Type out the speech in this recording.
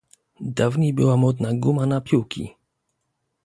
"dawniej była modna guma na piłki?"